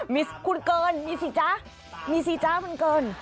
มีคุณเกินมีสิจ๊ะมีสิจ๊ะมันเกิน